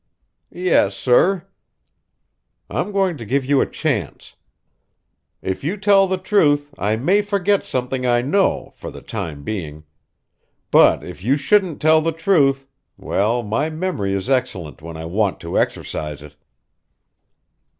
"Yes, sir." "I'm going to give you a chance. If you tell the truth, I may forget something I know, for the time being. But, if you shouldn't tell the truth well, my memory is excellent when I want to exercise it."